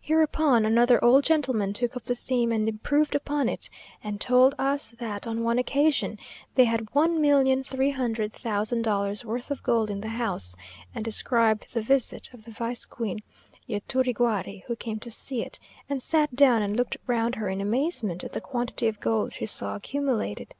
Hereupon another old gentleman took up the theme, and improved upon it; and told us, that, on one occasion, they had one million three hundred thousand dollars' worth of gold in the house; and described the visit of the vice queen Yturriguary, who came to see it, and sat down and looked round her in amazement at the quantity of gold she saw accumulated.